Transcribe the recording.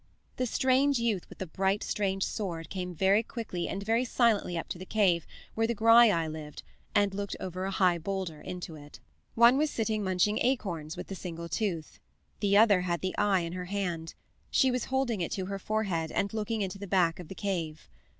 The strange youth with the bright, strange sword came very quickly and very silently up to the cave where the Graiai lived and looked over a high boulder into it. One was sitting munching acorns with the single tooth. The other had the eye in her hand. She was holding it to her forehead and looking into the back of the cave.